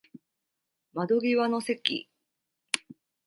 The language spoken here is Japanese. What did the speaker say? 窓際の席